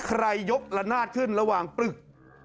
ใครยกระนาดขึ้นระหว่างปึ๊บ